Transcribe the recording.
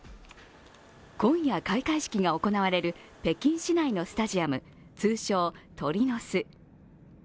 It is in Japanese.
今夜、開会式が行われる北京市内のスタジアム、通称・鳥の巣。